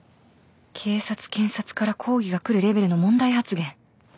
警察検察から抗議が来るレベルの問題発言